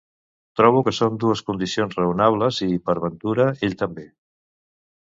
Trobo que són dues condicions raonables i, per ventura, ell també.